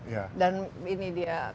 dan ini dia kapalnya itu begitu besar kan